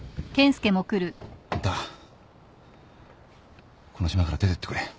あんたこの島から出てってくれ。